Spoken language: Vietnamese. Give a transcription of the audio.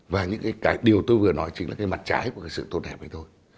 và những cái điều tôi vừa nói chính là cái mặt trái của cái sự tốt đẹp ấy thôi